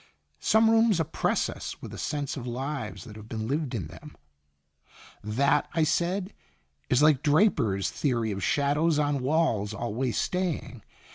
" Some rooms oppress us with a sense of lives that have been lived in them." " That," I said, " is like Draper's theory 24 Qtn Itinerant of shadows on walls always staying.